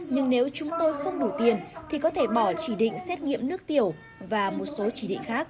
nhưng nếu chúng tôi không đủ tiền thì có thể bỏ chỉ định xét nghiệm nước tiểu và một số chỉ định khác